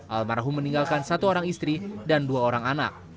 almarhum meninggalkan satu orang istri dan dua orang anak